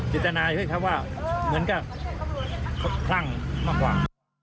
เจตนาให้เขาว่าเหมือนกับเขาคลั่งมากกว่า